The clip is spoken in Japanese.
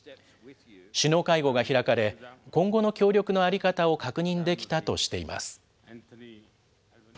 首脳会合が開かれ、今後の協力の在り方を確認できたとしています。